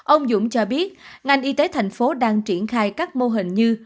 ông dũng cho biết ngành y tế tp hcm đang triển khai các mô hình như